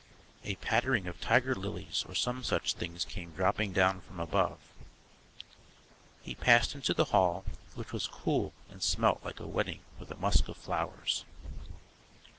A pattering of tiger lilies or some such things came dropping down from above. He passed into the hall, which was cool and smelt like a wedding with a musk of flowers.